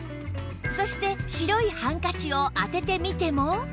そして白いハンカチを当ててみても